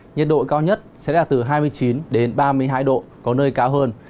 nhiệt độ cao nhất sẽ là từ hai mươi chín đến ba mươi hai độ có nơi cao hơn